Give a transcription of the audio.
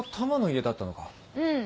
うん。